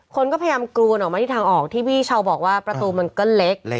คนก็พยายามกรูนออกมาที่ทางออกที่พี่เช้าบอกว่าประตูมันก็เล็ก